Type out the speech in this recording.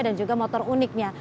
dan juga motor uniknya